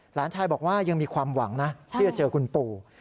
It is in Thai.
หลานชายบอกว่ายังมีความหวังนะที่จะเจอคุณปู่